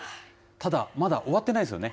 ただ、まだ終わってないですよね。